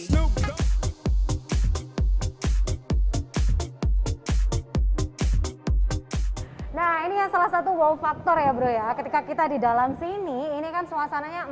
nah ini yang salah satu wow faktor ya bro ya ketika kita di dalam sini ini kan suasananya